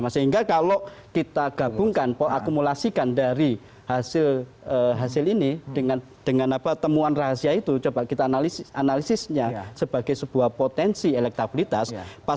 sehingga kalau kita gabungkan akumulasikan dari hasil ini dengan temuan rahasia itu coba kita analisisnya sebagai sebuah potensi elektabilitas